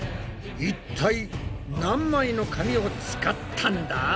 いったい何枚の紙を使ったんだ？